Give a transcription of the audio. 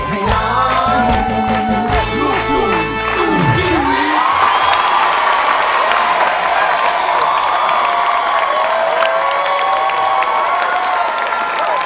แต่ลูกหนูสู้ชีวิต